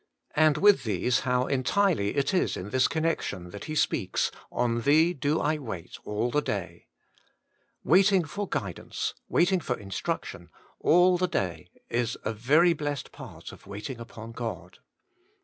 And with these how entirely it is in this connection that he speaks, ' On Thee do I wait all the day J Waiting for guidance, wait ing for instruction, all the day, is a very blessed part of waiting upon God.